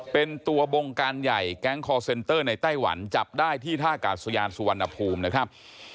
เป็นตัวบงการใหญ่แก๊งคอร์เซ็นเตอร์ในไต้หวันจับได้ที่ท่ากาศยานสุวรรณภูมินะครับ